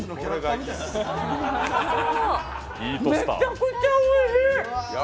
めちゃくちゃおいしい！